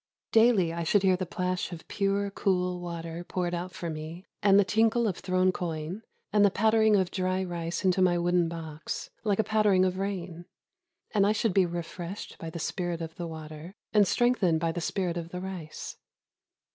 Daily I should hear the plash of pure cool water poured out for me, and the tinkle of thrown coin, and the pattering of dry rice into my wooden box, like a pat tering of rain; and I should be refreshed by the spirit of the water, and strengthened by the spirit of the rice.